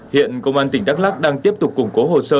hiện công an tỉnh đắk lắc đang tiếp tục củng cố hồ sơ